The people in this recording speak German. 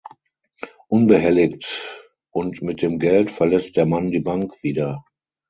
Unbehelligt und mit dem Geld verlässt der Mann die Bank wieder.